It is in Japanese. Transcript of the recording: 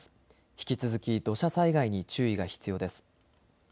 引き続き土砂災害に注意が必要です。